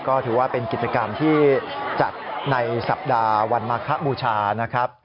ก็ถือว่าเป็นกิจกรรมที่จัดในสัปดาห์วันมาคบูชานะครับ